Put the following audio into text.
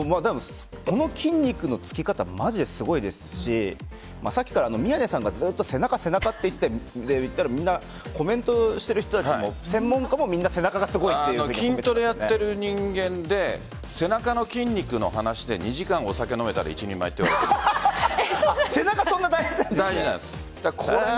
この筋肉の付き方マジですごいですしさっきから宮根さんがずっと背中背中って言っていてコメントしている人たちも専門家もみんな背中がすごいって筋トレやっている人間で背中の筋肉の話で２時間、お酒が飲めたら背中大事です。